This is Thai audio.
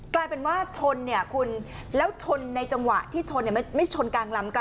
กลายเป็นว่าชนเนี่ยคุณแล้วชนในจังหวะที่ชนไม่ชนกลางลำกัน